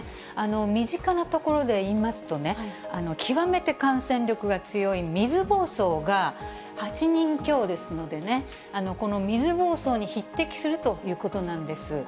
身近なところでいいますとね、極めて感染力が強い水ぼうそうが、８人強ですのでね、この水ぼうそうに匹敵するということなんです。